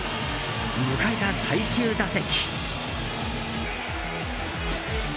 迎えた最終打席。